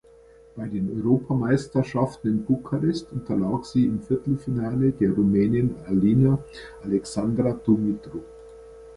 Bei den Europameisterschaften in Bukarest unterlag sie im Viertelfinale der Rumänin Alina Alexandra Dumitru.